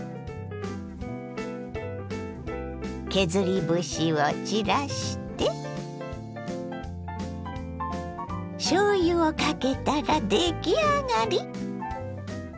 削り節を散らしてしょうゆをかけたら出来上がり！